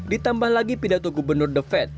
ditambah lagi pidato gubernur the fed